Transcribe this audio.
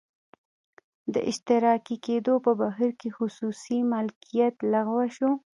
د اشتراکي کېدو په بهیر کې خصوصي مالکیت لغوه شو